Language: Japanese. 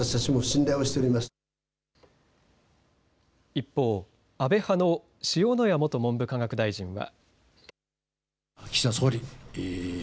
一方、安倍派の塩谷元文部科学大臣は。